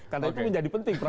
karena itu menjadi penting